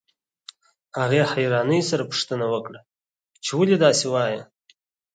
هغې حيرانۍ سره پوښتنه وکړه چې ولې داسې وايئ.